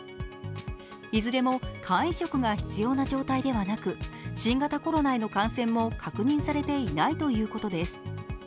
いずれも肝移植が必要な状態ではなく、新型コロナへの感染も確認されていないということです。